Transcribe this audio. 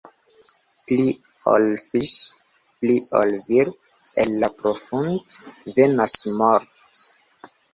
Pli ol fiŝ', pli ol vir', el la profund' venas mort'.